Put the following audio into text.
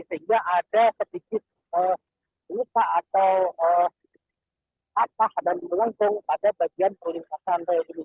sehingga ada sedikit luka atau patah dan melengkung pada bagian perlintasan rel ini